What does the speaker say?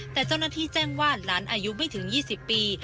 แต่เจ้าหน้าที่แจ้งว่าหลานอายุไม่ถึง๒๐ปี